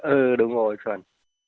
ừ đúng rồi chuẩn